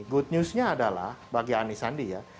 good newsnya adalah bagi ani sandi ya